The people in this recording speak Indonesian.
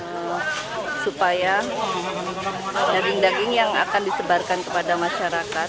untuk supaya daging daging yang akan disebarkan kepada masyarakat